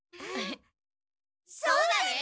そうだね。